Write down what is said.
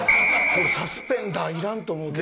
これサスペンダーいらんと思うけどな。